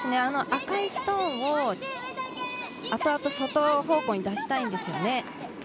赤いストーンをあとあと外方向に出したいんです。